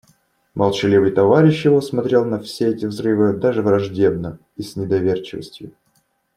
Молчаливый товарищ его смотрел на все эти взрывы даже враждебно и с недоверчивостью.